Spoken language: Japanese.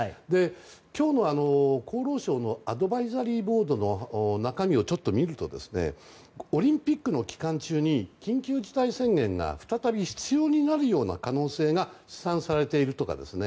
今日の厚労省のアドバイザリーボードの中身をちょっと見るとオリンピックの期間中に緊急事態宣言が再び必要になるような可能性が試算されているとかですね